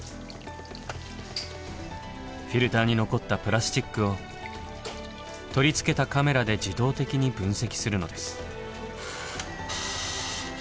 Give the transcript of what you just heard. フィルターに残ったプラスチックを取り付けたカメラで自動的に分析するのです。